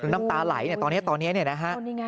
น้ำตาไหลตอนนี้นะฮะ